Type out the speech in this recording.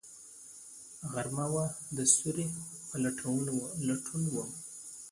غرمه وه، د سیوری په لټون وم